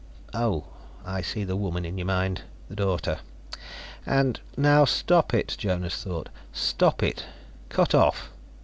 oh. I see the woman in your mind. The daughter. And " "Now, stop it," Jonas thought. "Stop it. Cut off.